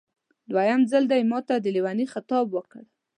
دویم ځل دې ماته د لېوني خطاب وکړ.